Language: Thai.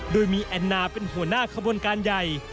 โดยมีแอนนาเป็นหัวหน้าขบวนการใหญ่